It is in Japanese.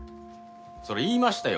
そら言いましたよ！